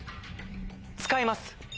使います！